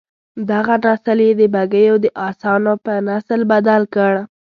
دغه نسل یې د بګیو د اسانو په نسل بدل کړ.